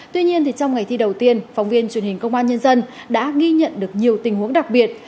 tuy nhiên trong ngày thi đầu tiên phóng viên truyền hình công an nhân dân đã ghi nhận được nhiều tình huống đặc biệt